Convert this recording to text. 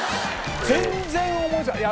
全然思いつかない。